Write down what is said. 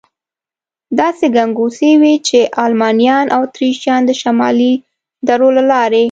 داسې ګنګوسې وې، چې المانیان او اتریشیان د شمالي درو له لارې.